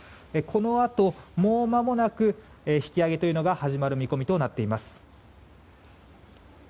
このあと、もうまもなく引き揚げが始まる見込みとなっています。